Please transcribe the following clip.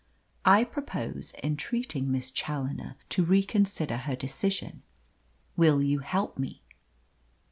I propose entreating Miss Challoner to reconsider her decision. Will you help me?"